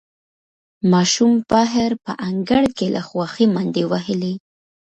ماشوم بهر په انګړ کې له خوښۍ منډې وهلې